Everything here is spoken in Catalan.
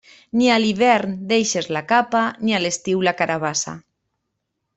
Ni a l'hivern deixes la capa, ni a l'estiu la carabassa.